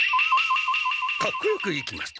かっこよくいきます！